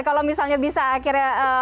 kalau misalnya bisa akhirnya